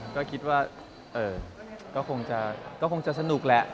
ก็คิดว่าก็คงจะสนุกแหละ